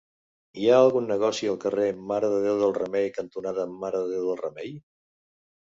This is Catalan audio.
Hi ha algun negoci al carrer Mare de Déu del Remei cantonada Mare de Déu del Remei?